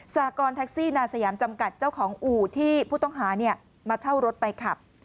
สากรแท็กซี่นาสยามจำกัดเจ้าของอู่ที่ผู้ต้องหามาเช่ารถไปขับ